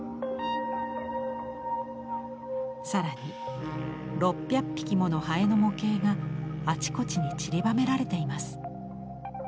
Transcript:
更に６００匹ものハエの模型があちこちにちりばめられています。